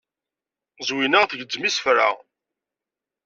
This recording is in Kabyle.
Zwina tgezzem isefra.